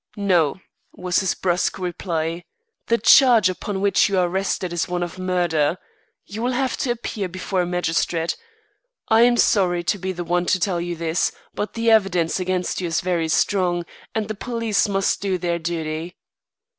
"No," was his brusque reply. "The charge upon which you are arrested is one of murder. You will have to appear before a magistrate. I'm sorry to be the one to tell you this, but the evidence against you is very strong, and the police must do their duty."